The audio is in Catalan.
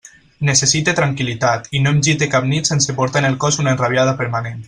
Necessite tranquil·litat, i no em gite cap nit sense portar en el cos una enrabiada permanent.